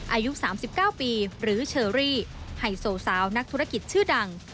อายุสามสิบเก้าปีหรือเชอรี่ให้โสว์สาวนักธุรกิจชื่อดัง